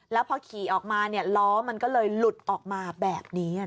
แล้วพอขี่ออกมาล้อมันก็เลยหลุดออกมาแบบนี้